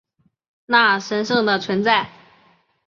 那神圣的存在